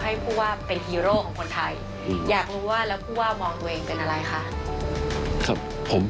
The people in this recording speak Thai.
อยากรู้ว่าแล้วคุณว่ามองตัวเองเป็นอะไรคะ